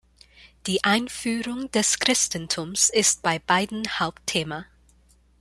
Die Einführung des Christentums ist bei beiden Hauptthema.